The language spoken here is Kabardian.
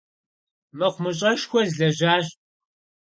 Mıxhumış'eşşxue slejaş.